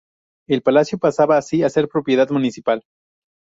El palacio pasaba así a ser propiedad municipal.